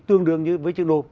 tương đương như với chữ đô